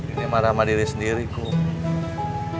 ini marah sama diri sendiri kum